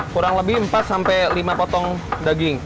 kurang lebih empat sampai lima potong daging